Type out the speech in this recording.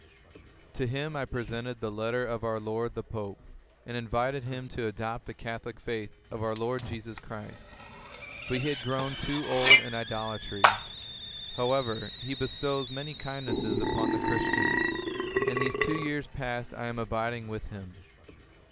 To him I presented the letter of our lord the Pope, and invited him to adopt the Catholic faith of our Lord Jesus Christ; but he had grown too old in idolatry. However, he bestows many kindnesses upon the Christians, and these two years past I am abiding with him.